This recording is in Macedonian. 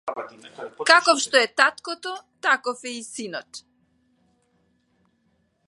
Каков што е таткото, таков е и синот.